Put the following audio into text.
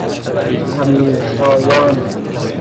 امیرشایان